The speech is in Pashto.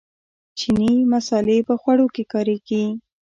چیني مسالې په خوړو کې کاریږي.